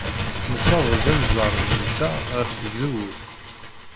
Nessed-d anzaren-nteɣ ɣef tzewwut.